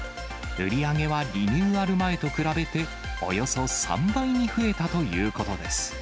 売り上げは、リニューアル前と比べて、およそ３倍に増えたということです。